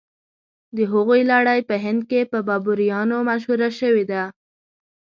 د هغوی لړۍ په هند کې په بابریانو مشهوره شوې ده.